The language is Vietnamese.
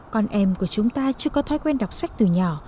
con em của chúng ta chưa có thói quen đọc sách từ nhỏ